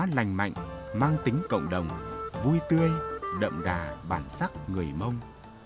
văn hóa lành mạnh mang tính cộng đồng vui tươi đậm đà bản sắc người mông